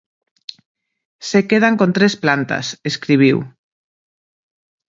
"Se quedan con tres plantas", escribiu.